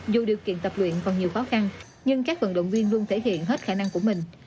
dù điều kiện tập luyện còn nhiều khó khăn nhưng các vận động viên luôn thể hiện hết khả năng của mình